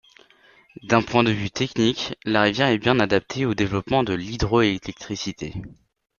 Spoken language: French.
D'un point de vue technique, la rivière est bien adaptée au développement de l'hydroélectricité.